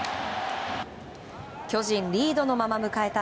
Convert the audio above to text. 巨人リードのまま迎えた